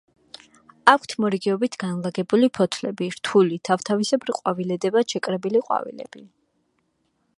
აქვთ მორიგეობით განლაგებული ფოთლები, რთული, თავთავისებრ ყვავილედებად შეკრებილი ყვავილები.